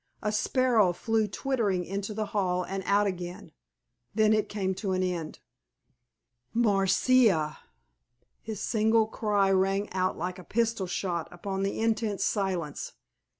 A sparrow flew twittering into the hall and out again. Then it came to an end. "Marcia!" His single cry rang out like a pistol shot upon the intense silence.